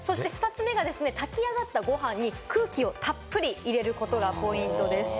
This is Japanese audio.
２つ目は炊き上がったご飯に空気をたっぷり入れることがポイントです。